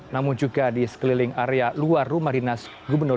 namun juga di sekeliling area luar rumah dinas gubernur